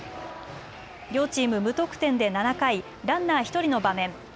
両チーム無得点で７回、ランナー１人の場面。